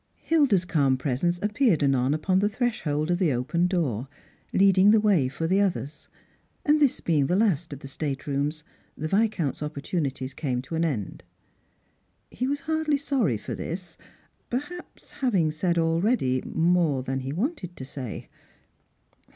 Hilda's calm presence ajipcai ed anon upon the threshold oi the open door, leading the way for the others ; and this being the last of the state rooms, the Viscount's opportunities carne to an end. He was hardly sorry for this, perhaps, having _ said already rather more than he wanted to say.